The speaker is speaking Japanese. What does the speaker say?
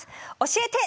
教えて！